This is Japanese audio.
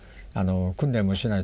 訓練もしない。